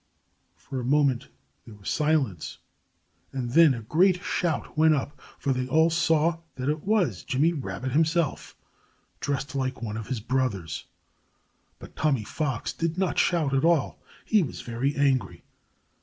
For a moment there was silence. And then a great shout went up. For they all saw that it was Jimmy Rabbit himself, dressed like one of his brothers. But Tommy Fox did not shout at all. He was very angry.